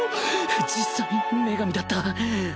実際女神だった。